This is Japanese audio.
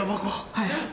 はい。